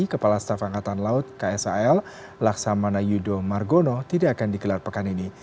kepala staf angkatan laut ksal laksamana yudo margono tidak akan digelar pekan ini